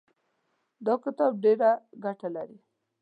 دا کتاب ډېره ګټه لري.